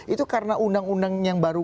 itu karena undang undang yang baru